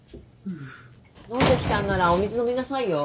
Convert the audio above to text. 飲んできたんならお水飲みなさいよ。